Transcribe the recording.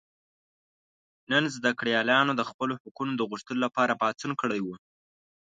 نن زده کړیالانو د خپلو حقونو د غوښتلو لپاره پاڅون کړی و.